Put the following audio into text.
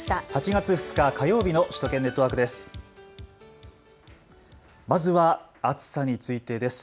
８月２日、火曜日の首都圏ネットワークです。